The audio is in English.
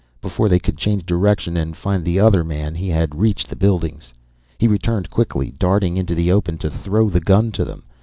Before they could change direction and find the other man he had reached the buildings. He returned quickly, darting into the open to throw the gun to them.